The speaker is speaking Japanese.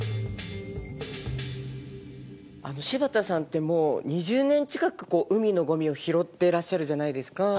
柴田さんってもう２０年近く海のゴミを拾ってらっしゃるじゃないですか。